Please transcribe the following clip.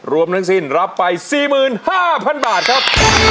รวมทั้งสิ้นรับไป๔๕๐๐๐บาทครับ